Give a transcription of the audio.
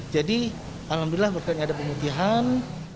jadi alhamdulillah berkatnya ada pemutian